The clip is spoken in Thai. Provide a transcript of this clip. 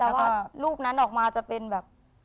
แล้วก็รูปนั้นออกมาจะเป็นแบบ